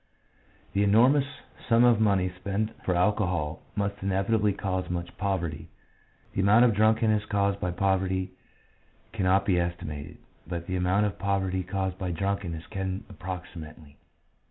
The enormous sum of money spent for alcohol must inevitably cause much poverty. The amount of drunkenness caused by poverty cannot be esti mated, but the amount of poverty caused by drunken ness can approximately.